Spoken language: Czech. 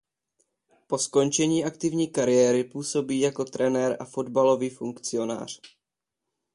Po skončení aktivní kariéry působí jako trenér a fotbalový funkcionář.